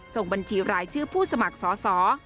ส่งบัญชีรายชื่อผู้สมัครสอสอ